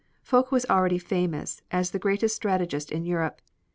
Foch was already famous as the greatest strategist in Europe.